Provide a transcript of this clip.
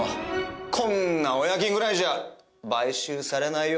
こんなおやきぐらいじゃ買収されないよ。